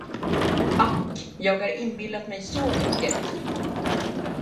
Ack, jag har inbillat mig så mycket.